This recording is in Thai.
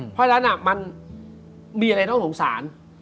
เพราะฉะนั้นมันมีอะไรต้องสงสาร